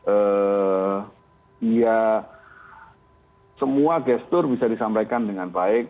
eee ya semua gestur bisa disampaikan dengan baik